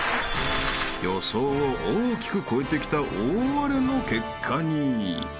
［予想を大きく超えてきた大荒れの結果に］